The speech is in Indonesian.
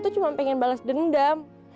aku tuh cuma pengen bales dendam